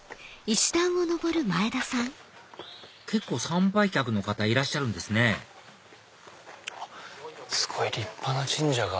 結構参拝客の方いらっしゃるんですねすごい立派な神社が。